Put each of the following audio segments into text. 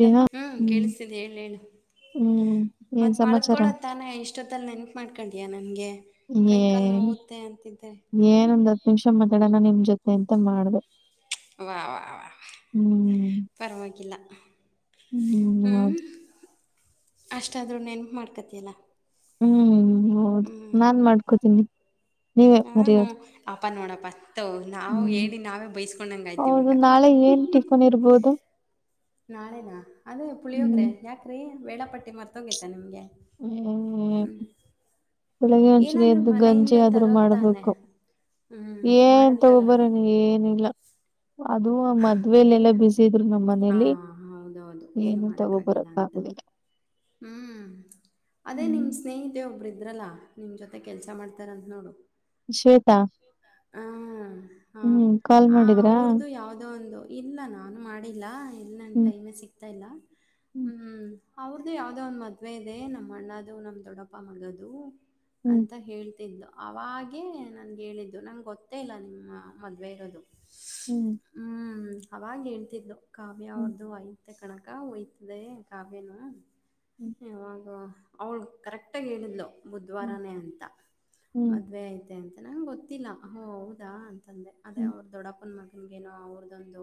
ದಿನ ಹಾ ಹ್ಮ್ ಕೇಳಿಸ್ತಿದೆ ಹೇಳ ಹೇಳು ಹ್ಮ್ ಏನ್ ಮತ್ ಸಮಾಚಾರ ಮಲ್ಕೊಳೊದ ತಾನೇ ಇಷ್ಟೊತ್ತಲ್ ನೆನಪು ಮಾಡ್ಕೊಂಡಿಯ ನನ್ಗೆ ಕೈ ಏ ಕಾಲು ನೋವುತ್ತೆ ಅಂತಿದ್ದೆ ಹ್ಮ್ ಏನೊಂದ್ ಹತ್ ನಿಮಿಷ ಮಾತಾಡೋಣ ನಿಮ್ ಜೊತೆ ಎಂತ ಮಾಡದೆ ವಾಹ ವಾಹ ವಾ ಪರವಾಗಿಲ್ಲ ಹ್ಮ್ ಅಷ್ಟಾದ್ರೂ ನೆನ್ಪ ಮಾಡ್ಕೊತಿಯಲ್ಲ ಹ್ಮ್ ಹೌದು ನಾನ್ ಮಾಡ್ಕೋತೀನಿ ನೀವೇ ಮರಿಯೋದು ಪ್ಪಾ ನೋಡಪ್ಪ ಅತ್ತ ನಾವು ಹ್ಮ್ ಹೇಳಿ ನಾವೇ ಹೌದು ಬೈಸ್ಕೊಂಡಂಗಯ್ತಿವಾಗ ನಾಳೆ ಏನ್ ಟಿಫನ್ ಇರ್ಬೋದು ನಾಳೆನಾ ಅದೇ ಪುಳಿಯೋಗ್ರೆ ಹ್ಮ್ ಯಾಕ್ರೀ ವೇಳಾಪಟ್ಟಿ ಮರ್ತ ಹೋಗೇತ ನಿಮ್ಗೆ ಹ್ಮ್ ಬೆಳಿಗ್ಗೆ ಅಂಚಿನ ಏನಾದರೂ ಎದ್ದು ಗಂಜಿ ಮನೆಯಿಂದ ಆದ್ರರು ತರೋದು ತಾನೆ ಮಾಡ್ಬೇಕು ಹ್ಞೂ ಏನ್ ಮಾಡಂತಗ ತಗೊಬರನಾ ಏನಿಲ್ಲ ಅದು ಮದ್ವೆೇಲೆ ಏಕೆ ಎಲ್ಲ ಬಿಸ ಇದ್ರು ನಮ್ಮ್ ಹಾ ಮನೇಲಿ ಹೌದೌದು ಏನು ತಗೋಬರಕ್ ಆಗುದಿಲ್ಲ [unintelligible] ಹ್ಮ್ ಅದೇ ನಿಮ್ ಸ್ನೇಹಿತೆ ಒಬ್ರ ಇದ ದ್ರಲ್ಲ ನಿಮ್ಮ್ ಜೊತೆ ಕೆಲಸ ಮಾಡ್ತಾರಂತ ನೋಡು ಶ್ವೇತಾ ಹಾ ಹೂ ಆ ಅವ್ರ್ದು ಯಾವುದೋ ಒಂದು ಇಲ್ಲ ನಾನು ಮಾಡಿಲ್ಲ ಇಲ್ಲಿ ನಂಗೆ ಹ್ಮ್ ಟೈಮೆ ಸಿಗ್ತಾ ಇಲ್ಲ ಹ್ಮ್ ಅವ್ರ್ದು ಯಾವ್ದೋ ಒಂದ್ ಮದ್ವೆ ಇದೆ ನಮ್ಮ್ ಅಣ್ಣದು ನಮ್ ದೊಡ್ಡಪ್ಪ ಮಗದು ಅಂತ ಹೇಳ್ತಿದ್ದ ಅವಾಗೇ ನನಗೆ ಹೇಳಿದ್ದು ನಂಗೆ ಗೊತ್ತೇ ಇಲ್ಲ ನಿಮ್ಮ ಮದುವೆ ಇರೋದು ಹ್ಮ್ ಆವಾಗ ಹೇಳ್ತಿದ್ಲು ಕಾವ್ಯ ಅವ್ರದ್ದು ಐತೆ ಕನಕ ಒಯ್ತದೆ ಕಾವ್ಯನು ಯಾವಾಗ ಅವಳ ಕರೆಕ್ಟಾಗಿ ಹೇಳಿದ್ಲು ಬುಧವಾರನೇ ಅಂತ ಮದುವೆ ಐತೆ ಅಂತ ನಂಗೆ ಗೊತ್ತಿಲ್ಲ ಓ ಹೌದಾ ತಂದೆ ಅದೇ ಅವ್ರ ದೊಡ್ಡಪ್ಪನ ಮಗನ್ಗೇನೋ ಅವ್ರದೊಂದು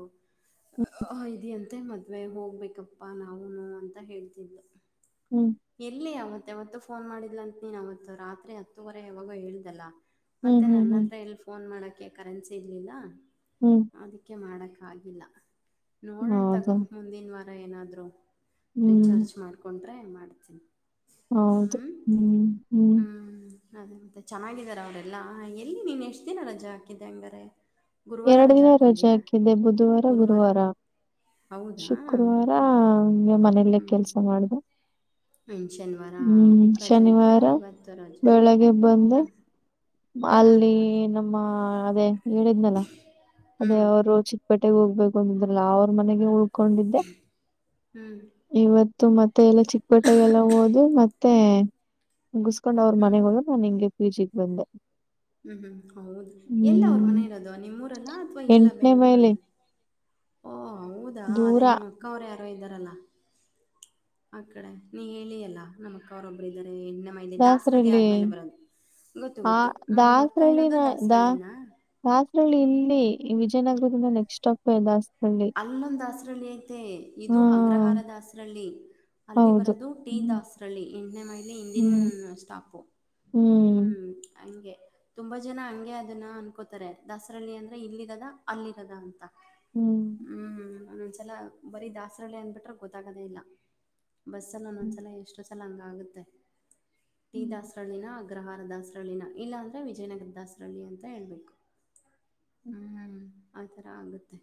ಇದೆ ಅಂತ ಮ ಮದ್ವೆ ಹೋಗ್ಬೇಕಪ್ಪಾ ನಾವುನು ಅಂತ ಹೇಳ್ತಿದ್ದು ಎಲ್ಲಿ ಅವತ್ತು ಯಾವತು ಫೋನ್ ಮಾಡಿದಿಲ್ಲ ಅಂತ ನೀನು ಅವತ್ತು ರಾತ್ರಿ ಹತ್ತುವರೆ ಯಾವಾಗ ಹೇಳ್ದಲ್ಲ ಮತ್ತೆ ನನ್ನ ಹತ್ರ ಎಲ್ಲಿ ಫೋನ್ ಮಾಡಕ ಕರೆನ್ಸಿ ಇರ್ಲಿಲ್ಲ ಅದಕ್ಕೆ ಮಾಡಕೆ ಆಗಿಲ್ಲ ನೋಡಣ ತಗೋ ಮುಂದಿನ ವಾರ ಏನಾದರೂ ಹ್ಮ್. ರೀಚಾರ್ಜ್ ಮಾಡು ಅಂದ್ರೆ ಮಾಡ್ತೀನಿ ಹೌದು ಹ್ಮ್ ಹ್ಮ್ ಹ್ಮ್ ಅದೇ ಮತ್ತೆ ಚೆನ್ನಾಗಿದ್ದಾರೆ ಅವರೆಲ್ಲಾ ಎಲ್ಲಿ ನೀನ್ ಎಷ್ಟ್ ದಿನ ರಜೆ ಹಾಕಿದ್ದೆ ಹಂಗಾರೆ ಗುರುವಾರ ಎರಡ ದಿನ ರಜೆ ಹಾಕ್ಕೊಂಡಿಯಾ ಹಾಕಿದ್ದೆ ಬುಧವಾರ ಗುರುವಾರ ಹೌದಾ ಶುಕ್ರವಾರ ಹ್ಞೂ ಹಂಗೆ ಮನೇಲ್ಲ ಕೆಲ್ಸ ಮಾಡ್ದು ಹಂದು ಶನಿವಾರ ರಜೆ ಐತಲ್ಲ ಶನಿವಾರ ಇವತ್ತು ರಜೆ ಬೆಳಗ್ಗೆ ಬಂದೆ ಹಾಂ ಅಲ್ಲಿ ಹಾಂ ನಮ್ಮ ಅದೇ ಹೇಳಿದ್ನಲ್ಲ ಹ್ಞೂ ಅದೇ ಅವರು ಚಿಕ್ಕಪೆಟ್ಟ ಮಟ್ಟಗ ಹೋಗ್ಬೇಕು ಅಂದಿದ್ರಲ್ಲ ಅವ್ರ ಮನೆಗೆ ಉಳ್ಕೊಂಡಿದ್ದೆ ಹ್ಞೂ ಹ್ಞೂ ಇವತ್ತು ಮತ್ತೆ ಎಲ್ಲ ಚಿಕ್ಕಪಟ್ಟೆಗೆಲ್ಲ ಹೋದವಿ ಮತ್ತೆ ಮುಗಿಸಕೊಂಡ್ ಅವ್ರ ಮನೆಗೆ ಹೋದರು ನಾನ್ ಹಿಂಗೆ ಪಿಜಿಗ್ ಬಂದೆ ಹ್ಮ್ ಹ್ಮ್ ಹೌದು ಎಲ್ಲ ಅವ್ರ ಹ್ಮ್ ಮನೆ ಇರೋದು ನಿಮ್ಮೂರಲ್ಲ ಅಥ್ವಾ ಇಲ್ಲ ಎಂಟನೇ ಮೈಲಿ ಬೆಂಗ್ಗಳೂರಲ್ಲ ಹೌದಾ ದೂರ ಅದೇ ನಿಮ್ಮ ಅಕ್ಕ ಅವರು ಯಾರೋ ಇದ್ದಾರಲ್ಲ ಆ ಕಡೆ ನೀ ಹೇಳಿ ಅಲ್ಲಾ ನಮ್ಮ ಅಕ್ಕ ಅವರೊಬ್ಬರು ಇದ್ದಾರೆ ಹೆಣ್ಣೆ ಮಲೆ ದಾಸರಳ್ಳಿ ಆದ್ಮೇಲೆ ಬರೋದು ಗೊತ್ತು ಆ ಗೊತ್ತು ಹ್ಞೂ ನಿಮ್ಮ ಅಕ್ಕ ಇರೋದು ದಾಸರಳ್ಳಿನ ದಾ ದಾಸರಳ್ಳಿನಾ ದಾಸರಳ್ಳಿ ಇಲ್ಲಿ ಈ ವಿಜಯನಗರದಿಂದ ನೆಕ್ಸ್ಟ್ ಸ್ಟಾಪೇ ದಾಸ ಅಲ್ಲೊಂದು ದಾಸರಳ್ಳಿ ಐತೆ ಇದು ಹಾ ಅಗ್ರಹಾರ ದಾಸರಳ್ಳಿ ಅಲ್ಲಿ ಹೌದು ಬರೋದು ಟಿ ಹ್ಮ್ ದಾಸ್ರಳ್ಳೀ ಎಂಟನೇ ಮೈ ಅಲ್ಲಿ ಇಂದಿನ್ ಹ್ಮ್ ಸ್ಟಾಪು ಹ್ಮ್ ಹಂಗೆ ತುಂಬಾ ಜನ ಹಂಗೆ ಅದನ್ನ ಅನ್ಕೋತಾರೆ ದಾಸರಳ್ಳಿ ಅಂದ್ರೆ ಇಲ್ಲಿರದ ಅಲ್ಲಿರದ ಅಂತ ಹ್ಮ್ ನಾನೊಂದ್ಸಲ ಬರೀ ದಾಸರಳ್ಳಿ ಅಂದ್ಬಿಟ್ರೆ ಗೊತ್ತಾಗದೇ ಇಲ್ಲ ಬಸ್ಸಲ್ಲಿ ಹ್ಮ್ ಒಂದೊದ್ಸಲ ಎಷ್ಟ ಸಲಂಗ ಆಗುತ್ತೆ ಟಿ ಹ್ಮ್ ದಾಸರಳ್ಳಿ ನಾ ಅಗ್ರ ಗ್ರಹಾರ ದಾಸರಹಳ್ಳಿನ ಇಲ್ಲಾಂದರೆ ವಿಜಯನಗರ ದಾಸರಳ್ಳಿ ಅಂತ ಹೇಬೇಕು ಹ್ಮ್ ಆತರ ಆಗುತ್ತೆ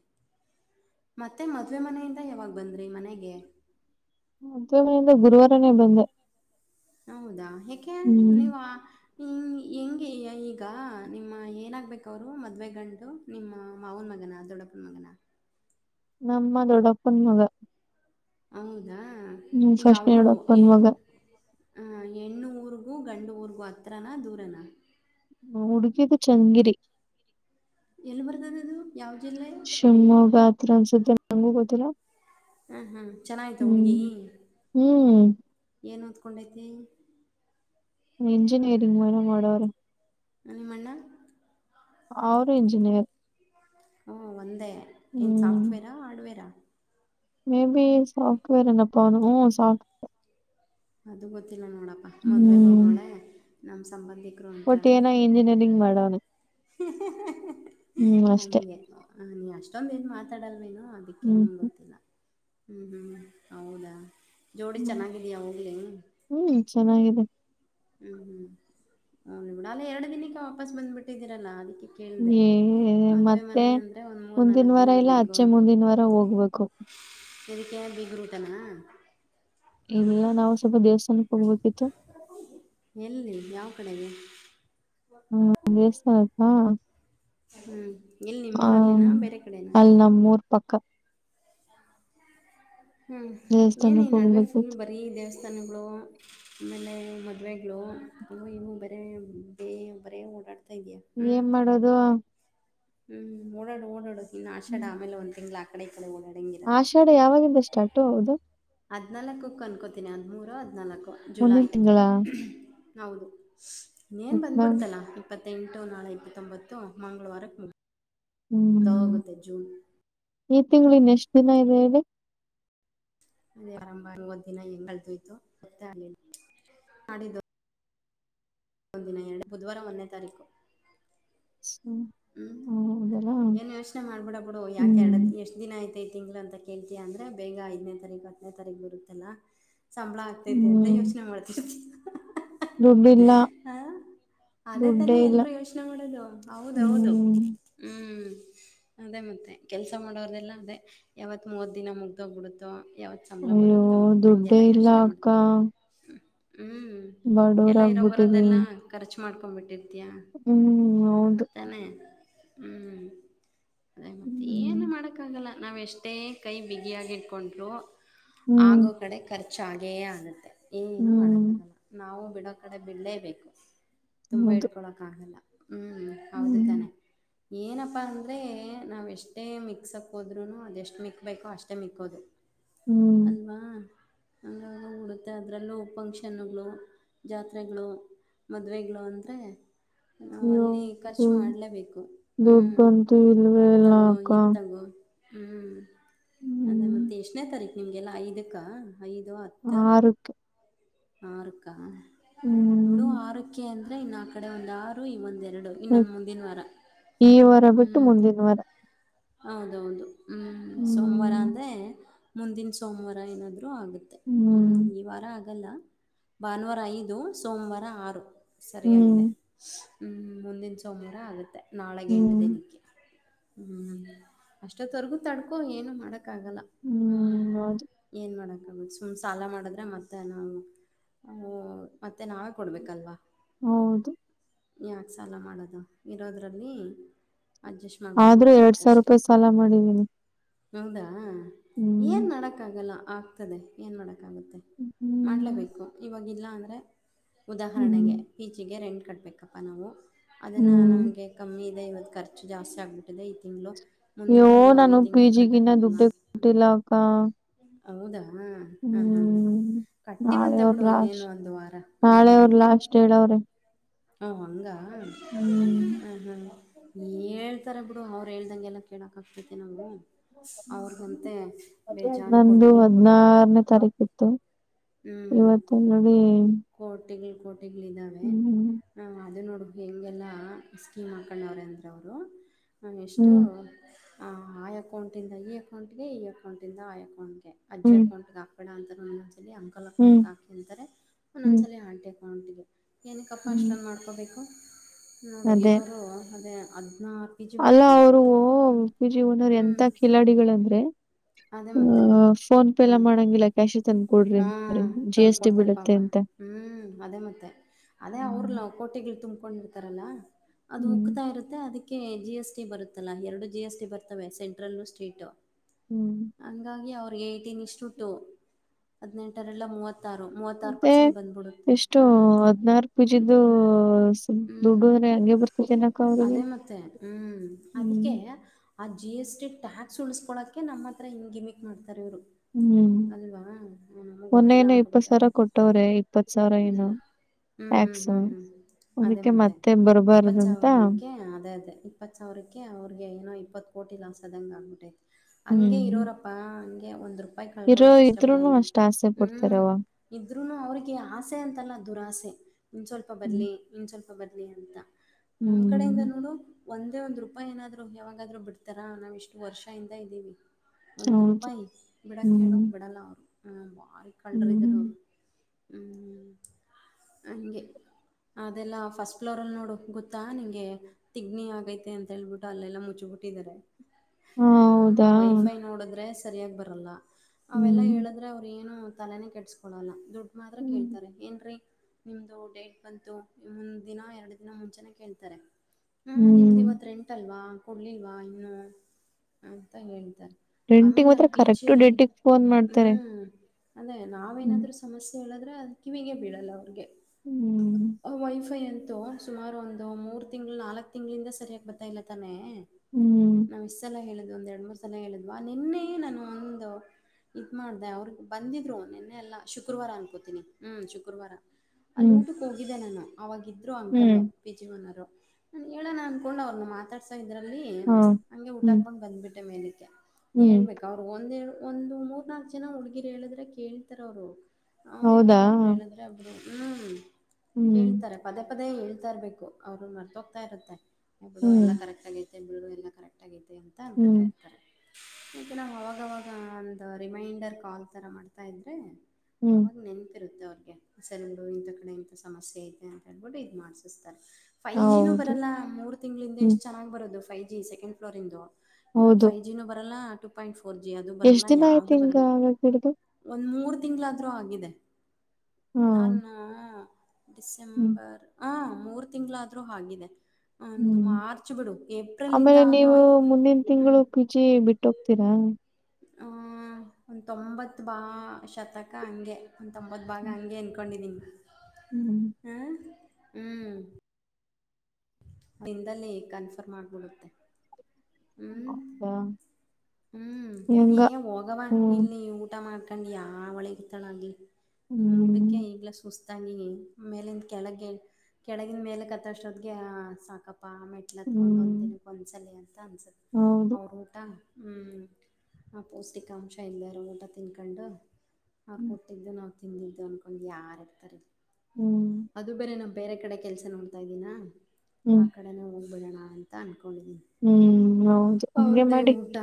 ಮತ್ತೆ ಮದ್ವೆ ಮನೆಯಿಂದ ಯಾವಾಗ ಬಂದ್ರಿ ಮನೆಗೆ ಮದ್ಮೆಯಿಂದ ಗುರುವಾರನೇ ಬಂದೆ ಹೌದಾ ಯಾಕೆ ನೀವ ಹ್ ಹಿಂಗೆ ಈಗ ನಿಮ್ಮ ಏನಾಗಬೇಕ ಅವ್ರ ಮದ್ವೆ ಗಂಡು ನಿಮ್ಮ ಮಾವನ ಮಗನ ದೊಡ್ಡಪ್ಪನ ಮಗನ ನಮ್ಮ ದೊಡಪ್ಪನ ಮಗ ಹಂಗ ಹ್ಮ್ ಫಸ್ಟ್ ದೊಡಪ್ಪನ್ ಮಗ ಹೆಣ್ಣು ಊರಿಗೂ ಗಂಡು ಊರಿಗೂ ಹತ್ರನಾ ದೂರನಾ ಹ್ಮ ಹುಡುಗಿದು ಚಂಗಿರಿ ಎಲ್ಲಿ ಬರತದು ಶಿವಮೊಗ್ಗ ಗಾತ್ರ ಅನ್ಸುತ್ತೆ ನಂಗೂ ಗೊತ್ತಿಲ್ಲ ಹ್ಮ್ ಹ್ಮ್ ಚೆನ್ನಾಗಯ್ತ ಹುಡ್ಗಿ ಹ್ಮ್ ಹ್ಮ್ ಏನು ಓದ್ಕೊಂಡೈತೆ ಇಂಜಿನಿಯರಿಂಗ್ ಮಾಡನ ಮಾಡೋರ ಹ್ಮ ನಿಮ್ಮ ಅಣ್ಣ ಅವರು ಇಂಜಿನಿಯರ್ ಹ್ಮ ಒಂದೇ ಏನ್ ಸಾಫ್ಟ್ವೇರಾ ಹಾರ್ಡ್ವೇರಾ ಮೇಬಿ ಸಾಫ್ಟ್ವೇರ್ ಎನ ಪ ಹ್ಮ ಸಾಫ್ಟ್ರ್ ಅದು ಗೊತ್ತಿಲ್ಲ ನೋಡಪ್ಪಾ ಮದ್ವೆಗ್ ಹೋಗೋಳೆ ನಮ್ ಸಂಬಂಧಿ ಒಟ್ಟು ಏನ ಇಂಜಿನಿಯರಿಂಗ್ ಮಾಡವನ ಹ ಹ ಹ ಹಂಗೆ ನೀ ಅಷ್ಟೊಂದ ಏನ್ ಮಾತಾಡಲ್ವೇನು ಅದಕ್ಕೆ ಹ್ಮ್ ನಿಮ್ಗೆ ಹ್ಮ್ ಗೊತ್ತಿಲ್ಲ ಹ್ಮ್ ಹ್ಮ್ ಹೌದಾ ಜೋಡಿ ಹ್ಮ್ ಚೆನ್ನಾಗಿದೆಯಾ ಹೋಗ್ಲಿ ಹ್ಮ್ ಚೆನ್ನಾಗಿದೆ ಹ್ಮ್ ಹ್ಮ್ ಹ ನಿಡ ಅಾಲ ಎರಡು ದಿನಕ್ಕೆ ವಾಪಸ್ ಬಂದ್ಬಿಟ್ಟಿದ್ದೀರಲ್ಲಾ ಅಲ್ಲಿ. ಹ ಮತ್ತೆ ಅಂದರೆ ಒಂದು ಮೂರು ಮುಂದಿನ ನಾಲ್ಕು ವಾರ ದಿನ ಇಲ್ಲ ಇರಬೇಕು ಅಚ್ಚೆ ಮುಂದಿನ ವಾರ ಹೋಗ್ಬೇಕು. ಎದಕ್ಕೆ ಬೀಗ ರೂಟನಾ. ಇಲ್ಲ ನಾವವು ಹ್ಮ ಎಲ್ಲಿ ಯಾವ ಕಡೆಗೆ ಹ್ಮ ಎಸ್ ಆಯತಾ. ಹ್ಮ್ ಹ್ಮ ಅಲ್ಲಿ ನಮ್ಮೂರ್ ಪಕ್ಕ ಹ್ಮ್ ಏನು ಈ ದೇವಸ್ಥಾನಕ್ಕೆ ನಡುವೆ ಫುಲ್ ಹೋಗ್ಬೇಕಿತ್ತು ಬರೀ ದೇವಸ್ಥಾನಗಳು ಆಮೇಲೆ ಮದ್ವವೆಗಳು ಇ ಬರ ಬೇ ಬರೇ ಓಡಾಡ್ತಾರೆ ಏನ್ ಮಾಡೋದು. ಹ್ಮ್ ಓಡಾಡು ಓಡಾಡು ಇನ್ನು ಆಶಾಡ ಹ್ಮ್. ಆಮೇ ಒಂದ್ ತಿಂಗ್ಳ ಆಗ್ತ. ಆಷಾಢ ಯಾವಾಗಿದ ಸ್ಟಾರ್ಟ್ ಹೌದು ಹದ್ಲ್ಕು ಅನ್ಕೋತೀನಿ ಹದಿಮೂರುದಿನಲ್ಕು. ಮುಂದಿನ ತಿಂ. ಹೌದು ಇನ್ನೇನು ಬಂದುಬಿಡ್ತಲ್ಲ ಇಪ್ಪತ್ತೆಂಟು ನಾಳೆ ಇಪ್ಪತ್ತೊಂಬತ್ತು ಮಂಗಳವಾರಕ್ಕೆ ಮು ಹ್ಮ್ ಅದಾಗದ ಜೂನ್ ಈ ತಿಂಗಳು ಇನ್ ಎಷ್ಟ್ ದಿನ ಇದೆ ಹೇಳಿ. ಅದೇ ಆರಂಭಂಗ ಒದ್ ದಿನ ಹೆಂಗ್ದುಯ್ತು ಗೊತ್ತೆ ಆ ಮಾಡಿದ್ದು. ಮುಂದಿನ ಎರಡು ಬುಧವಾರ ಒಂದೇ ತಾರೀಕು ಹ್ಮ್ ಹ್ಮ್ ಹೌದಲ್ಲ ಏನ್ ಯೋಚನೆ ಮಾಡ್ಬಿಡ ಬಿಡು ಯಾಕೆ ಎರಡು ಹ್ಮ್ ಎಷ್ಟ ದಿನ ಆಯ್ತೈತಿ ತಿಂಗಳು ಅಂತ ಕೇಳ್ತೀ ಅಂದ್ರೆ ಬೇಗ ಐದನೇ ತಾರೀಕು ಹತ್ತನೇ ತಾರೀಕು ಬರುತ್ತಲ್ಲ. ಸಂಬಳ ಆಗ್ತೈತೆ ಅಂತ ಹ್ಮ್ ಯೋಚನೆ ಮಾಡ್ತವಿ ದುಡ್ಡಿಲ್ಲ ಹ ಅದೇ ತಾನೆ ದುಡ್ಡೇ ಇಲ್ಲ ಎಲ್ರು ಯೋಚನೆ ಮಾಡದು ಹೌದೌದು ಹ್ಮ್ ಹ್ಮ್ ಹ್ಞೂ ಅದೇ ಮತ್ತು ಕೆಲಸ ಮಾಡೋರದೆೆಲ್ಲ ಅದೇ ಯಾವತ್ತು ಮೂವತ್ತು ದಿನ ಮುಗ್ದೋಗ ಬಿಡುತ್ತೋ ಯಾವತ್ತು ಸಂಬಳ ಅಯ್ಯೋ ಬರುತ್ತೋ ದುಡ್ಡೇ ಹಗೆಲ್ಲ ಇಲ್ಲ ಯೋಚನೆ ಮಾಡ್ತೀವಿ ಹ್ಞ. ಬಾಡೋರ ಆಗ್ಬಿಟ್ಟ್ರರಿ. ಮಾಡ್ಕೊಂಬಟ್ಟಿದ್ದು. ಹ್ಮ್ ಹೌದು ತಾನೆ ಹ್ಮ್ ಅದೇ ಮತ್ತೆ ಏನು ಹ್ಮ್ ಮಾಡಕ್ಕ ಆಗಲ್ಲ ನಾವವು ಎಷ್ಟೇ ಕೈ ಬಿಗಿಯಾಗಿಟ್ಕೊಂಡ್ರರು ಆಗೋ ಹ್ಮ್ ಕಡೆ ಕರ್ ಚಾಗೆಯೇ ಆಗುತ್ತೆ ಏನಏನನು ಹ್ಮ್ ಮಾಡೋಕ್ಕಾಗಲ್ಲ ನಾವು ಬಿಡೋ ಕಡೆ ಬಿಡಲೇಬೇಕು. ತುಂಬಾ ಹೌದು ಹಿಡ್ಕೊಳಕ್ ಆಗಲ್ಲ ಹ್ಮ್ ಹೌದು ಹ್ಮ್ ತಾನೆ. ಏನಪ್ಪಾ ಅಂದ್ರೆ ನಾವ ಎಷ್ಟೇ ಮಿಕ್ಸಕ್ ಹೋದ್ರು ಅದೆ ಎಷ್ಟು ಮಿಕ್ಕಬೇಕೋ ಅಷ್ಟೇ ಮಿಕ್ಕೋದು. ಹ್ಮ್ ಅಲ್ವಾ ಅಂದೂ ಉಡುತ್ತೆ ಅದರಲ್ಲೂ ಫಂಕ್ಷನ್ಗಳು ಜಾತ್ರೆಗಳು. ಮದ್ವೆಗಳು ಅಂದ್ರೆ ನಾವವು ಅಯ್ಯೋ ಅಲ್ಲಿ. ಖರ್ಚು ದುಡ್ ಮಾಡಲೇಬೇಕು ಹ್ ದುಡ್ಡಂತೂ ಇಲ್ವೇ ಇಲ್ಲ ಹತ್ತಗೋ ಅಕ್ಕ ಈತ್ತಗೋ. ಹ್ಮ್ ಅದೇ ಹ್ಮ್ ಮತ್ತೆ ಎಷ್ಟನೇ ತಾರೀಖು ನಿಮ್ಗೆಲ್ಲ ಐದಕ್ಕ. ಐದು ಹತ್ತು ಆರುಕ್ಕೆ ಆರುಕ್ಕ ಇಡು ಹ್ಮ್ ಆರಕ್ಕೆ. ಇನ್ನ ಆ ಕಡೆ ಒಂದ್ ಆರು ಇ ಒಂದೆರಡು. ಈ ವಾರ ಬಿಟ್ಟು ಹ್ಞೂ ಮುಂದಿನ ವಾರ. ಹೌದೌದು ಹ್ಮ್ ಸೋಮವಾರ ಹ್ಮ್ ಅಂದ್ರೆ ಮುಂದಿನ ಸೋಮವಾರ ಏನಾದ. ಆಗುತ್ತೆ ಹ್ಮ ಹ್ಮ್ ಈ ವಾರ ಆಗಲ್ಲ ಭಾನುವಾರ ಐದು ಸೋಮವಾರ ಆರು. ಸರಿಯಾಗಿದೆ ಹ್ಮ್ ಹ್ಮ್ ಮುಂದಿನ ಸೋಮವಾರ ಆಗುತ್ತೆ. ನಾಳೆಗೆ ಎಂಟು ಹ್ಮ್ ದಿನಕ್ಕೆ ಹ್ಮ ಅಷ್ಟೊತ್ತವರ್ಗೂ ತಡ್ಕೊ ಏನು ಮಾಡಕ ಕ್ಕ ಆಾಗಲ್ಲ ಹ್ಞ ಹ್ಮ್ ಹೌದು ಏನು ಮಾಡಕ್ಕೆ. ಸುಮ್ ಸಾಲ ಮಾಡಿದ್ರೆ ಮತ್ತೆ ನಾವು ಆ ಮತ್ತೆ ನಾವೇ ಕೊಡ್ಬೇಕಲ್ವಾ, ಹೌದು ಯಾಕೆ ಸಾಲ ಮಾಡೋದು ಇರೋದರಲ್ಲಿ ಅಡ್ಜಸ್ಟ್ ಮಾಡ್ಕೊಂಡು ಆದ್ರೆ ಎರಡ್ ಸಾವಿರ ಹೋಗ್ಬೇಕಷ್ಟೆ. ರೂಪಾಯಿ ಸಾಲ ಮಾಡಿದ್ದೀನಿ. ಹೌದಾ ಏನ್ ಮಾಡೋಕ್ ಆಗಲ್ಲ ಆಗ್ತದೆ ಏನ್ ಮಾಡಕ್ ಹ್ಮ್ ಮಾಡಲೇಬೇಕು. ಇವಾಗ ಇಲ್ಲ ಅಂದ್ರೆ ಹ್ಮ್ ಉದಾಹರಣೆಗೆ ಪೀಜಿಗೆ ರೆಂಟ್ ಕಟ್ಬೇಕಪ್ಪ ನಾವು ಅದನ್ನು ಹ್ಮ್ ನಮಗೆ ಕಮ್ಮಿ ಇದೆ ಇವತ್ತು ಖರ್ಚು ಜಾಸ್ತಿ ಆಗ್ಬಿಟ್ಟಿದೆ ಈ ತಿಂಗಳು ಮುಂದಿನ ಯ್ಯೋ ತಿಂಗಳು ನಾನು ಈ ಪಿ ತಿಂಗಳು ಜಿಗಿನ್ನ ಕಟ್ಟೋಕ್ಕಾಗಲ್ಲ. ದುಡ್ಡೆ ಹ್ಞೂ. ಕೊಟ್ಟಿಲ್ಲ ಅಕ್ಕ. ಹೌದಾ ಹಾ ಹಾ ಹ್ಮ್ ನಾಳೆ ಕಟ್ಟಿವಂತ ಅವ್ರ ಬಿಡು ಇನ್ನೇನು ಲಾಸ್ಟ್ ಒಂದು ವಾರ ಹ್ಮ್ ನಾಳೆ ಹ್ಮ್. ಅವ್ರ ಲಾಸ್ಟ್ ಹೇಳವ್ರೆ ಹ ಹಂಗ ಹ ಹ್ಮ್ ಹ್ಮ. ಹೇಳ್ತಾರ ಬಿಡು ಅವ್ರು ಹೇಳ್ದಂಗೆಲ್ಲ ಕೇಳಕ್ ಆಗ್ತೈತಿ ನಾವು. ಅವ್ರಿಗಂತೆ [unintelligible] ಬೇಜಾನ್ ನಂದು ಕೋಟಿಗಳು ಕೋಟಿ ಹದಿನಾರನೇ ತಾರೀಕಿತ್ತು. ಇವತ್ತ ನೋಡಿ ಈಗ ಇಲ್ಲಿ ಕೋಟೆಗಳು ಇದ್ದಾವೆ ಹ್ಮ್ ಹು ಅದೆ ನೋಡು ಹೇಗೆಲ್ಲ ಸ್ಕೀಮ್ ಹಾಕೊಂಡವ್ರ ಅಂದ್ರ ಅವರು ನಾ ಎಷ್ಟು ಹ್ಮ್ ಆ ಅಕೌಂಟಿಂದ ಈ ಅಕೌಂಟ್ಗೆ ಈ ಅಕೌಂಟಿಂದ ಆ ಅಕೌಂಟ್ಗೆ ಅರ್ಜಿ ಹ್ಮ್ ಹಾಕುವಂತ ಬೇಡ ಅಂತಾರೆ ಒಂದೊಂದಸಲ ಅಂಕಲ್ ಹ್ಮ್ ಅಕೌಂಟ್ ಹ್ಮ್ ಹಾಕಿ ಅಂತಾರೆ ಹ್ಮ್ ಒಂದೊಂದಸಲ ಆಂಟಿ ಅಕೌಂಟಿಗೆ ಏನಕ್ಕಪ್ಪ ಹ್ಮ್ ಅಷ್ಟೊಂದು ಮಾಡ್ಕೋಬೇಕು ನೋಡು ಅದೇ ಇರೋರು ಅದೇ ಅದ ಅಲ್ಲ ಅವರು ಓ ಪಿ ಜಿ ಓನೋರ್ ಹ್ಞೂ ಎಂತ ಕಿಲಾಡಿಗಳಂದ್ರೆ ಅದೇ ಮತ್ತೆ ಹ್ಮ್ ಫೋನ್ ಪೇ ಎಲ್ಲ ಮಾಡಂಗಿಲ್ಲ ಕ್ಯಾಶ್ ಇಂತ ಹ್ಮ ತಂದ್ ಕೊಡ್ತಾರೆ ಪಾಪ. ಹ್ಮ್ ಅದೇ ಮತ್ತೆ ಅದೇ ಅವ್ರ ಹ್ಮ್ ಲಾಕೋಟೆಗೆ ತುಂಬ್ಕೊಂಡಿರ್ತಾರಲ್ಲ ಅದು ಹ್ಮ್ ಉಕ್ತಾ ಇರುತ್ತೆ ಅದಿಕ್ಕೆ ಕೆ ಜಿ ಎಸ್ ಟಿ ಬರುತ್ತಲ್ಲಾ ಎರಡು ಜಿ ಎಸ್ ಟಿ ಬರ್ತವೆ ಸೆಂಟ್ರಲ್ ಸ್ಟೇಟ್ ಹ್ಮ್ ಹಂಗಾಗಿ ಅವ್ರಿಗೆ ಹದಿನೆಂಟು ಇಷ್ಟುಟ್ಟು ಹದಿನೆಂಟರಲ್ಲ ಮೂವತ್ತು ತ್ತಾರು ಮೂವತ್ತಾರು ಮತ್ತೆ ಪರ್ಸೆಂಟ್ ಬಂದ್ಬಿಡುತ್ತೆ ಎಷ್ಟು ಹ್ಮ್ ಹದ್ನಾರು ಪಿ ಹ್ಮ್ ಜಿದು [unintelligible] ಹ್ಮ್ ದುಡ್ಡು [unintelligible] ಅಂದ್ರೆ ಹಂಗೆ ಬರ್ತದೇನಕ್ಕ [unintelligible] ಅವ್ರಿಗೆ ಅದೇ ಮತ್ತೆ [unintelligible] ಹ್ಮ್ ಅದಕ್ಕೆ ಹ್ಮ್ ಆ ಜಿ ಎಸ್ ಟಿ ಟ್ಯಾಕ್ಸ್ ಉಳಸ್ಕೊಳಕೆ ನಮ್ಮ ಹತ್ರ ಹಿಂಗೆ ಗಿಮಿಕ್ ಮಾಡ್ತಾರೆ ಇವರು. ಅಲ್ವಾ ನಮಗೆ ಗೊತ್ತಿಲ್ಲ ಮೊನ್ನೇನ ಇಪ್ಪತ್ ಸಾವಿರ ಅನ್ಕೊಬಿಟ್ಟಾರೆ ಕೊಟ್ಟವ್ರೆ ಇಪ್ಪತ್ ಸಾವಿರ ಏನು ಹ್ಮ್ ಹ್ಮ್ ಹ್ಮ್ ಹ್ಮ್ ಅದೇ ಮತ್ತೆ ಇಪ್ಪತ್ ಸಾವಿರಕ್ಕೆ ಅದೇ ಅದೇ ಇಪ್ಪತ್ ಸಾವಿರ [unintelligible] ಕೆ ಅವ್ರಿಗೆ ಏನೋ ಇಪ್ಪತ್ತು ಕೊ ಲಾಸ್ ಸದಂಗ್ ಆಗ್ಬಿಟ್ಟೈತಿ ಹಂಗೆ ಹ್ಮ್ ಇರೋರಪ್ಪಾ ಹಂಗೆ ಒಂದ್ ರೂಪಾಯಿ ಇರೋ ಕಳ್ಕೊಳಕ್ ಇಷ್ಟ ಇದ್ರೂನು ಪಡಲ್ಲ. ಅಷ್ಟ ಆಸೆ ಪಡ್ತಾರವ್ವ ಇದ್ರುನು ಅವ್ರಿಗೆ ಆಸೆ ಅಂತಲ್ಲ ದುರಾಸೆ. ಇನ್ ಸ್ವಲ್ಪ ಹ್ಮ್ ಬರ್ಲಿ ಇನ್ ಸ್ವಲ್ಪ ಬರಲಿ ಅಂತ ನಮ್ಮ್ ಕಡೆಯಿಂದ ಹ್ಮ್ ನೋಡು ಒಂದೇ ಒಂದ್ ರೂಪಾಯಿ ಏನಾದ್ರು ಯಾವಾಗಾದ್ರು ಬಿಡ್ತಾರಾ ನಾವು ಇಷ್ಟು ವರ್ಷ ಇಂದ ಇದ್ದೀವಿ. ಒಂದ್ ಹೌದು ರೂಪಾಯಿ ಬಿಡಕ್ ಹೇಳು ಹ್ಮ್ ಬಿಡಲ್ಲ ಅವರು ಹ ಬಾರಿ ಕಳ್ರ ಇದಾರ ಹ್ಮ್ ಅವರು. ಹ್ಮ್ [inaudible] ಹಂಗೆ ಅದೆಲ್ಲಾ ಫಸ್ಟ್ ಫ್ಲೋರ್ ಅಲ್ ನೋಡು ಗೊತ್ತಾ ನಿಂಗೆ ತಿಗಣೆ ಆಗೈತೆ ಅಂತ ಹೇಳ್ಬಿಟ್ಟು ಅಲ್ಲೆಲ್ಲಾ ಮುಚ್ಚಿ ಬು ಬುಟ್ಟಿದ್ದಾರೆ. ಹ ಆ ವೈಫೈ ನೋಡಿದ್ರೆ ಸರಿಯಾಗಿ ಬರಲ್ಲ. ಅವೆಲ್ಲಾ ಹ್ಮ್ ಹೇಳಿದ್ರೆ ಹ್ಮ್ ತಲೆನೇ ಕೆಟ್ಸ್ಕೊಳಲ್ಲ ದುಡ್ಡು ಮಾತ್ರ ಕೇಳ್ತಾರೆ. ಏನ್ರೀ ನಿಮ್ದು ಡೇಟ್ ಬಂತು ಒಂದ್ ದಿನ ಎರಡು ದಿನ ಮುಂಚೆನೆ ಕೇಳ್ತಾರೆ. ಹಾ ನಿಮ್ದ್ ಹ್ಮ್ ಇವತ್ ರೆಂಟ್ ಅಲ್ವಾ ಕೊಡ್ಲಿಲ್ವಾ ಇನ್ನು ಅಂತ ಹೇಳ್ತಾರೆ. ರೆಂಟಿಗ್ ಆಮೇಲೆ ಮಾತ್ರ ನಮ್ಮ ಪಿ ಕರೆಕ್ಟ ಜಿಯಲ್ಲಿ ಡೇಟಿಗೆ ಫೋನ್ ಮಾಡ್ತಾರೆ. ಹ್ಞೂ ಅದೇ ಹ್ಮ್ ನಾವೇಏನಾದರೂ ಸಮಸ್ಯೆ ಹೇಳಿದ್ರೆ ಅದು ಕಿವಿಗೆ ಬೀಳಲ್ಲ ಅವ್ರಿಗೆ. ಹ್ಮ್ [unintelligible] ವೈ ಫೈ ಅಂತ ಸುಮಾರು ಒಂದು ಮೂರ್ ತಿಂಗಳು ನಾಲ್ಕ್ ತಿಂಗಳಿಂದ ಸರಿಯಾಗಿ ಬರ್ತಾ ಇಲ್ಲ ತಾನೆ ಹ್ಮ್ ನಾವೇಷ್ಟ ಸಲ್ಲ ಹೇಳ ಒಂದ್ ಎರಡ್ ಮೂರ್ ಸಲ ಹೇಳಿದ್ವಾ ನಿನ್ನೆ ನಾನು ಒಂದು ಇದ್ ಮಾಡ್ದೆ ಅವ್ರಿಗೆ ಬಂದಿದ್ದರು ನಿನ್ನೆ ಎಲ್ಲ ಶುಕ್ರವಾರ ಅನ್ಕೋತೀನಿ ಹ್ಮ್ ಶುಕ್ರವಾರ ಅಲ್ಲಿ ಹ್ಮ್ ಊಟಕ್ಕೆ ಹೋಗಿದ್ದೆ ನಾನು ಅವಾಗ ಇದ್ರು ಅಂಕಲ್ ಹ್ಮ್ ಪಿ ಜಿ ಒನ್ರು ನಾನ ಹೇಳೋಣ ಅಂದಕೊಂಡು ಅವ್ರನ್ನ ಮಾತಾಡ್ಸ ಇದ್ರ ಅಲ್ಲಿ ಹಾ ಹಂಗೆ ಊಟ ಹ್ಮ್ ಹಾಕೊಂಡು ಬಂದ್ಬಿಟ್ಟೆ ಮೇಲಕ್ಕೆ ಹ್ಮ್ ಹೇಳ್ಬೇಕು ಅವರು ಒಂದಡು ಒಂದು ಮೂರುನಾಲ್ಕ ಜನ ಹುಡುಗಿರು ಹೇಳಿದ್ರೆ ಕೇಳ್ತಾರ ಅವರು ಅವ್ರು ಯಾರೋ ಹೌದಾ ಒಬ್ಬರು ಹೇಳಿದ್ರೆ ಒಬ್ಬರು ಹ್ಮ್ ಹ್ಮ್ ಕೇಳ್ತಾರೆ ಪದೇ ಪದೇ ಹೇಳ್ತಾ ಇರ್ಬೇಕು ಅವರು ಮರ್ತ ಹೋಗ್ತಾ ಇರುತ್ತೆ ಇ ಬಿಡು ಹ್ಮ್ ಎಲ್ಲ ಕರೆಕ್ಟ್ ಆಗೈತೆ ಬಿಡು ಎಲ್ಲಾ ಕರೆಕ್ಟ್ ಆಗೈತೆ ಅಂತ ಅನ್ಕತಾ ಹ್ಮ್ ಇರ್ತಾರೆ ಕೆ ನಾವು ಅವಾಗವಾಗ ಒಂದು ರಿಮೈಂಡರ್ ಕಾಲ್ ಥರ ಮಾಡ್ತಾ ಇದ್ರೆ ಹ್ಮ್ ಅವಾಗ ನೆನ್ಪಿರುತ್ತೆ ಅವ್ರಿಗೆ ಸಾರಿ ಬಿಡು ಕಡೆ ಇಂಥ ಸಮಸ್ಯೆ ಐತೆ ಅಂತ ಹೇಳ್ಬಿಟ್ಟು ಇದ್ ಮಾಡ್ಸಿಸ್ತ ಫೈವ್ ಜಿನೂ ಹೌದು ಬರಲ್ಲ ಮೂರು ತಿಂಗಳಿಂದೆ ಹ್ಮ್ ಎಷ್ಟು ಚೆನ್ನಾಗಿ ಬರೋದು ಫೈವ್ ಜಿ ಸೆಕೆಂಡ್ ಫ್ಲೋರ್ ಇಂದು ಇವಾಗ ಹೌದು ಫೈವ ಜಿ ನೂ ಬರಲ್ಲ ಟೂ ಪಾಯಿಂಟ್ ಫೋರ್ ಜಿ ಅದು ಬರಲ್ಲ ಎಷ್ಟ್ ದಿನ ಆಯ್ತಿ ಯಾವುದು ಹಿಂಗ ಬರಲ್ಲ ಆವಾಗ ಬಿಡ್ದು ಮೂರು ತಿಂಗಳಾದ್ರೂ ಆಗಿದೆ ಹಾ ನಾನು ಹ್ಮ್ ಡಿಸೆಂಬರ್ ಹ ಮೂರು ತಿಂಗಳಾದ್ರೂ ಹಾಗಿದೆ ಹ್ಮ್ ಆಮೇಲೆ ಆದರೂ ನೀವು ಮುಂದಿನ ಹ್ಞೂ ತಿಂಗಳು ಪಿಜಿ ಬಿಟ್ಟ ಬಿಟ್ಟ ಹೋಗ್ತೀರಾ ಆ ಒ ತೊಂಬತ್ತು ಭಾ ಶತಕ ಹಂಗೆ ಒ ತೊಂಬತ್ ಭಾಗ ಹ್ಮ್ ಹಂಗೆ ಅನ್ಕೊಂಡಿದಿನಿ ಹ್ಮ್ ಹ ಹ್ಮ್ ದಿಂದಲಿ ಕನ್ಫರ್ಮ್ ಆಗ್ಬಿಡುತ್ತೆ ಹ್ಮ್ ಹೌದಾ ಹ್ಮ್ ಹೆಂಗ ಏ ಹೋಗವ ಹ್ಮ್ ಇಲ್ಲಿ ಊಟ ಮಾಡ ಹಕಂಡ್ ಯಾವಳ ಇರತ್ತಾಳ ಅಲ್ಲಿ ಈ ಹ್ಮ್ ಊಟಕ್ಕೆ ಈಗ್ಲ ಸುಸ್ತ ಗಿನಿ ಮೇಲಿಂದ ಕೆಳಗ್ಗೆ ಕೆಳಗಿನ ಮೇಲೆ ಹತ್ತಷ್ಟೊದಗೆ ಸಾಕಪ್ಪ ಪ್ಪಾ ಮೆಟ್ಲೆ ಹತ್ಕೊಂಡು ಹ್ಮ್ ಒಂದು ದಿನಕ್ಕೆ ಒಂದ್ಸಲಿ ಅಂತ ಅನ್ಸುತ್ತೆ ಹೌದು ಅವ್ರ ಊಟ ಹ್ಮ್ ಆ ಪೌಷ್ಟಿಕಾಂಶ ಇಲ್ಲದೆರೋ ಊಟ ತಿನ್ಕೊಂಡು ಅವ್ರ ಹ್ಮ್ ಕೊಟ್ಟಿದ್ದು ನಾವ್ ತಿಂದಿದ್ದು ಅನ್ಕೊಂಡ್ ಯಾರ ಇರ್ತಾರ ಹ್ಮ್ ಅದು ಬೇರೆ ನಮ ಬೇರೆ ಕಡೆ ಕೆಲಸ ನೋಡ್ತಾಯಿದ್ದೀನಾ ಆ ಹ್ಮ್ ಕಡೆನೇ ಹೋಗ್ಬಿಡೋಣ ಅಂತ ಅಂದ್ಕೊಂಡಿದ್ದೀನಿ ಹ್ಮ್ ಹೌದು ಹಂಗೆ ಅವ್ರ್ದೇ ಮಾಡಿ ಊಟ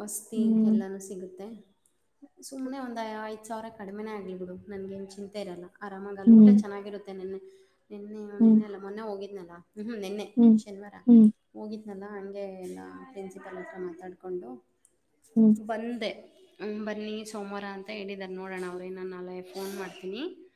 ಮಸ್ತಿ ಹ್ಮ್ ಎಲ್ಲಾನೂ ಸಿಗುತ್ತೆ ಸುಮ್ನೆ ಒಂದ್ ಐದ್ ಸಾವಿರ ಕಡಿಮೆನೇ ಆಗ್ಲಿ ಬಿಡು ನನ್ಗ ಏನ್ ಚಿಂತೆ ಇರಲ್ಲ ಆರಾಮಗ ಅಲ್ಲಿ ಊಟ ಹ್ಮ್ ಚೆನ್ನಾಗಿರುತ್ತೆ ನೆನ್ನ ನಿನ್ನೆ ಹ್ಮ್ ನಿನ್ನೆ ಅಲ್ಲ ಮೊನ್ನೆ ಹೋಗಿದ್ನಲ್ಲ ಹ್ಮ್ ನಿನ್ನೆ ಹ್ಮ್ ಶನಿವಾರ ಹ್ಮ್ ಹೋಗಿದ್ನಲ್ಲ ಹಂಗೆ ಎಲ್ಲ ಪ್ರಿನ್ಸಿಪಲ್ ಹತ್ರ ಮಾತಾಡಕೊಂಡು ಹ್ಮ್ ಬಂದೆ ಹ್ಮ ಬನ್ನಿ ಸೋಮವಾರ ಅಂತ ಹೇಳಿದ್ದಾರೆ ನೋಡೋಣ ಅವ್ರೇ ನಾನು ನಾಳೆ ಫೋನ್ ಮಾಡ್ತೀನಿ